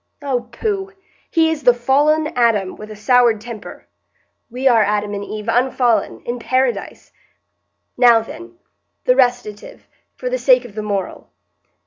"Oh, pooh! He is the fallen Adam with a soured temper. We are Adam and Eve unfallen, in Paradise. Now, then,—the recitative, for the sake of the moral.